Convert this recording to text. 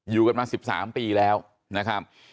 อยู่กันมา๑๓ปีแล้วนะครับ